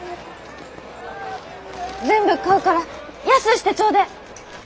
全部買うから安うしてちょうでえ！